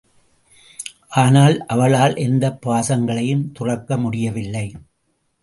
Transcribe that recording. ஆனால் அவளால் எந்தப் பாசங்களையும் துறக்க முடியவில்லை.